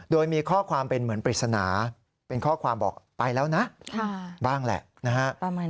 โดยมีข้อความเป็นเหมือนปริศนาเป็นข้อความบอกไปแล้วนะบ้างแหละนะฮะ